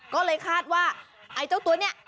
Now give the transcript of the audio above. ก็เลยคาดว่าไอ้เจ้าตัวเนี่ย